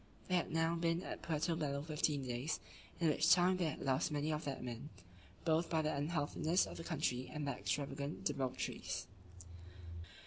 They had now been at Puerto Bello fifteen days, in which time they had lost many of their men, both by the unhealthiness of the country, and their extravagant debaucheries.